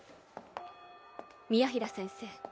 宮平先生